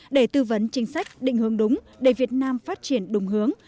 để tư vấn chính sách định hướng đúng để việt nam phát triển đúng hướng